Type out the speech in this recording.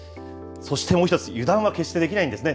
そしてもう一つ、油断は決してできないんですね。